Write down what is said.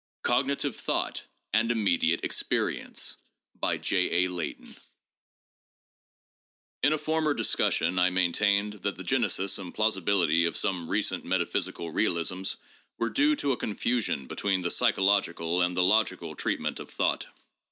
COGNITIVE THOUGHT AND 'IMMEDIATE' EXPEEIENCE TN a former discussion I maintained that the genesis and plausi * bility of some recent metaphysical realisms were due to a con fusion between the psychological and the logical treatments of thought.